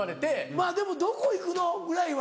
まぁでも「どこ行くの？」ぐらいは。